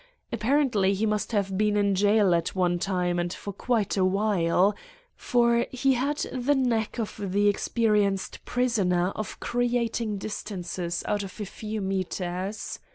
Apparently he must have been in jail at one time and for quite a while : for he had the knack of the experienced prisoner of creating distances out of a few meters.